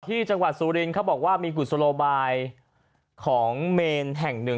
จังหวัดสุรินเขาบอกว่ามีกุศโลบายของเมนแห่งหนึ่ง